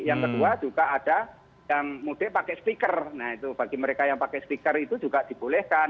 yang kedua juga ada yang mudik pakai speaker nah itu bagi mereka yang pakai stiker itu juga dibolehkan